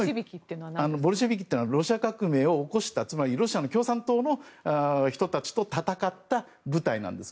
ボルシェビキというのはロシア革命を起こしたロシアの共産党の人たちと戦った部隊なんです。